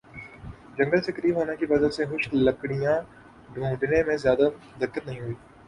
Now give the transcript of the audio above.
جنگل سے قریب ہونے کی وجہ سے خشک لکڑیاں ڈھونڈنے میں زیادہ دقت نہ ہوئی